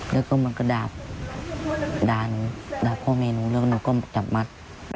แล้วก็มันก็ดาบด่าหนูด่าพ่อแม่หนูแล้วหนูก็จับมัด